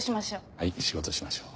仕事しましょう。